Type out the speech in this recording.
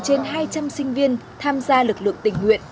trên hai trăm linh sinh viên tham gia lực lượng tình nguyện